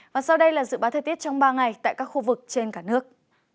và sau đây là dự báo thời tiết trong ba ngày tại các khu vực trên cả nước